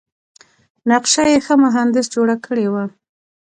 نقشه یې ښه مهندس جوړه کړې وه.